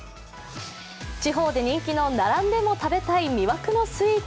地方で人気の並んでも食べたい魅惑のスイーツ。